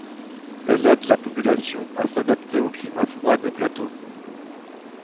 Elle aide la population à s'adapter au climat froid des plateaux.